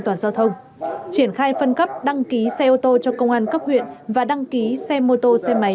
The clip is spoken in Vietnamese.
toàn giao thông triển khai phân cấp đăng ký xe ô tô cho công an cấp huyện và đăng ký xe mô tô xe máy